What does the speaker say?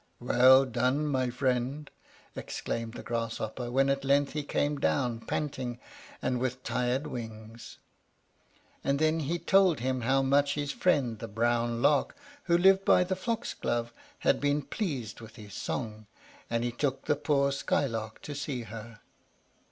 "Well done, my friend!" exclaimed the Grasshopper, when at length he came down panting, and with tired wings; and then he told him how much his friend the brown Lark, who lived by the foxglove, had been pleased with his song, and he took the poor Skylark to see her.